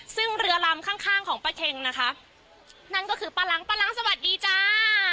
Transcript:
ซึ่งเรือลำข้างข้างของป้าเช็งนะคะนั่นก็คือป้าล้างป้าล้างสวัสดีจ้า